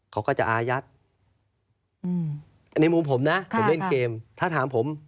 เขาก็จะอายัดอันนี้มุมผมนะผมเล่นเกมถ้าถามผม